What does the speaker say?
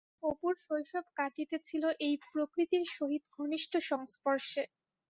অপুর শৈশব কাটিতেছিল এই প্রকৃতির সহিত ঘনিষ্ঠ সংস্পর্শে।